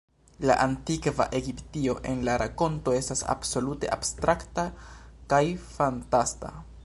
La antikva Egiptio en la rakonto estas absolute abstrakta kaj fantasta.